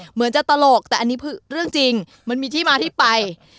เหมือนจะตลกแต่อันนี้คือเรื่องจริงมันมีที่มาที่ไป